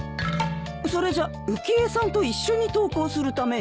それじゃ浮江さんと一緒に登校するために？